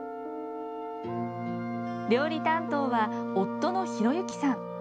料理担当は夫の弘之さん。